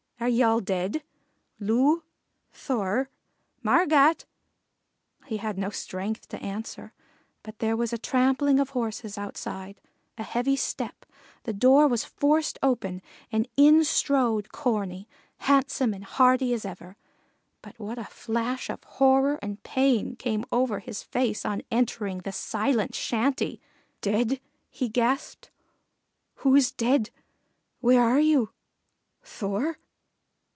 are ye all dead? Loo! Thor! Margat!" He had no strength to answer, but there was a trampling of horses outside, a heavy step, the door was forced open, and in strode Corney, handsome and hearty as ever. But what a flash of horror and pain came over his face on entering the silent shanty! "Dead?" he gasped. "Who's dead where are you? Thor?"